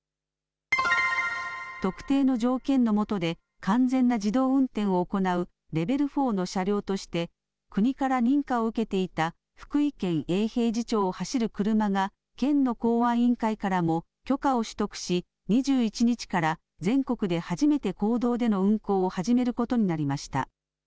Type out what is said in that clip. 特定の条件のもとで完全な自動運転を行うレベル４の車両として国から認可を受けていた福井県永平寺町を走る車が県の公安委員会からも許可を取得し２１日から全国で初めて公道での運行を始めることになりました。